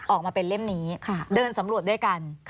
ออกมาเป็นเล่มนี้เดินสำรวจด้วยกัน